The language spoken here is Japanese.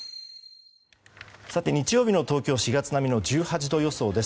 日曜日の東京４月並みの１８度予想です。